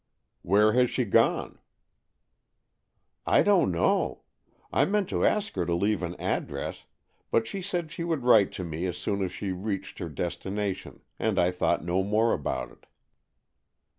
"Where has she gone?" "I don't know. I meant to ask her to leave an address, but she said she would write to me as soon as she reached her destination, and I thought no more about it."